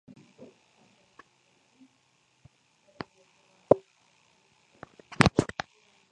Cuando se retiró vivió entre Madrid, Londres y Ciudad Real.